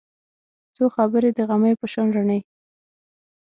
څو خبرې د غمیو په شان روڼې